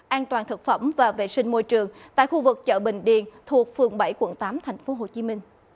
an toàn thực phẩm và vệ sinh môi trường tại khu vực chợ bình điền thuộc phường bảy quận tám tp hcm